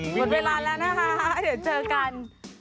หมดเวลาแล้วนะคะเดี๋ยวเจอกัน